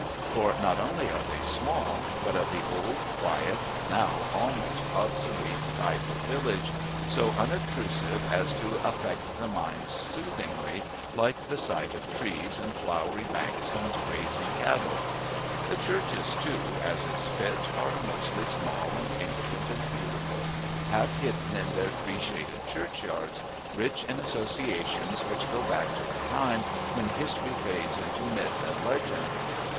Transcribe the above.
For not only are they small, but of the old, quiet, now almost obsolete type of village, so unobtrusive as to affect the mind soothingly, like the sight of trees and flowery banks and grazing cattle. The churches, too, as is fit, are mostly small and ancient and beautiful, half hidden in their tree shaded churchyards, rich in associations which go back to a time when history fades into myth and legend.